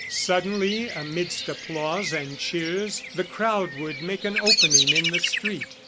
Suddenly, amidst applause and cheers, the crowd would make an opening in the street.